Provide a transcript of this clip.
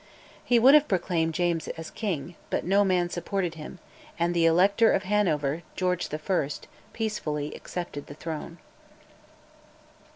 He would have proclaimed James as king, but no man supported him, and the Elector of Hanover, George I., peacefully accepted the throne.